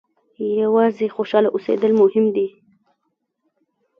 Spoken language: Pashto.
یوازې خوشاله اوسېدل مهم دي.